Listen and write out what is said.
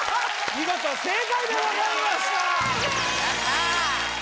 見事正解でございましたやったー